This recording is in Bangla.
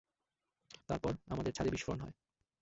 তারপর, আমাদের ছাদে বিস্ফোরন হয়।